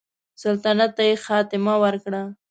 سلطنت ته یې خاتمه ورکړه.